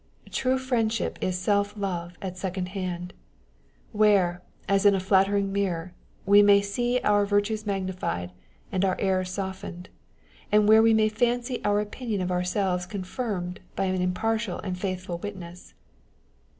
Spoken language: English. True friendship is self love at second hand ; where, as in a .flattering mirror, we may see our virtues magnified and our errors softened, and where we may fancy our opinion of ourselves confirmed by an im partial and faithful witness.